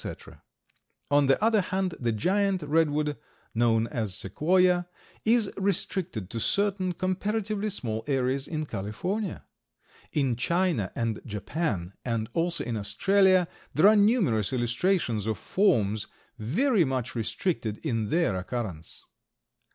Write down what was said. On the other hand, the giant redwood, known as Sequoia, is restricted to certain comparatively small areas in California. In China and Japan, and also in Australia, there are numerous illustrations of forms very much restricted in their occurrence.